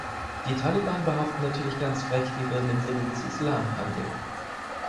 Die Taliban behaupten natürlich ganz frech, sie würden im Sinne des Islam handeln.